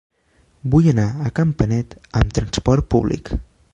Vull anar a Campanet amb transport públic.